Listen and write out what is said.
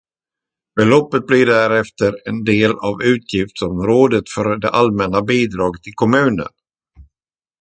Beloppet blir därefter en del av utgiftsområdet för allmänna bidrag till kommuner.